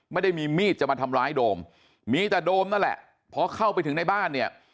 ไม่ได้มีมีดจะมาทำร้ายโดมมีแต่โดมนั่นแหละพอเข้าไปถึงในบ้านเนี่ย